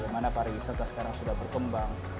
bagaimana pariwisata sekarang sudah berkembang